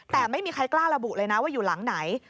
แต่ไม่มีใครกล้าระบุเลยนะว่าอยู่หลังไหน